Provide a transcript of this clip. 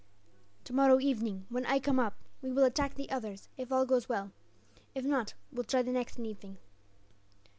"Tomorrow evening, when I come up, we will attack the others, if all goes well; if not, will try the next evening."